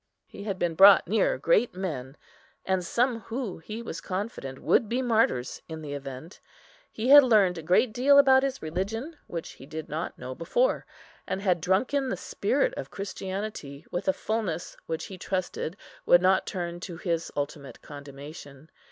He had been brought near great men, and some who, he was confident, would be martyrs in the event. He had learned a great deal about his religion which he did not know before, and had drunk in the spirit of Christianity, with a fulness which he trusted would not turn to his ultimate condemnation.